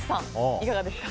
いかがですか。